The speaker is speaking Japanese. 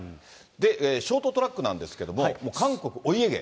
ショートトラックなんですけど、もう韓国、お家芸。